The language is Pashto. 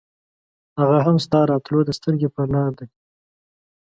هغه هم ستا راتلو ته سترګې پر لار دی.